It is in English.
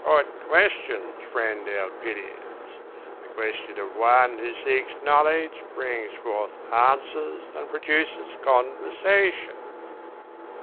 "Put questions, friend Elpidias! The question of one who seeks knowledge brings forth answers and produces conversation."